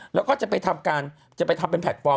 แล้วก็จะไปทำการจะไปทำเป็นแพลตฟอร์ม